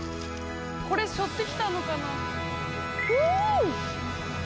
これ背負って来たのかな？